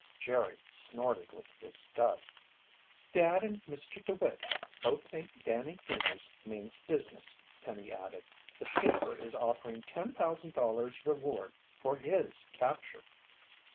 Jerry snorted with disgust. "Dad and Mr. DeWitt both think Danny Deevers means business," Penny added. "The paper is offering $10,000 reward for his capture."